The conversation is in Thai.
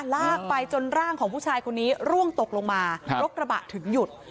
ลากไปจนร่างของผู้ชายคนนี้ร่วงตกลงมารถกระบะถึงหยุด